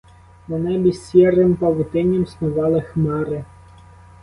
На небі сірим павутинням снували хмари.